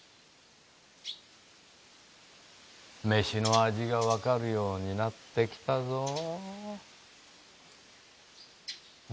飯の味がわかるようになってきたぞ。